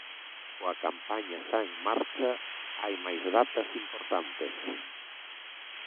Coa campaña xa en marcha, hai máis datas importantes.